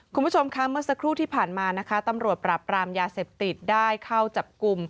คุณผู้ชมค่ะเมื่อสักครู่ที่ผ่านมานะคะตำรวจปราบปรามยาเสพติดได้เข้าจับกลุ่ม